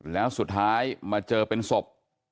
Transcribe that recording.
แล้วสุดท้ายมาเจอเป็นศพ